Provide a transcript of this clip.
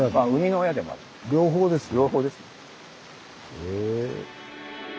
へえ。